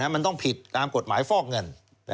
มันต้องผิดตามกฎหมายฟอกเงิน